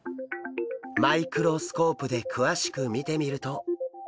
マイクロスコープで詳しく見てみると。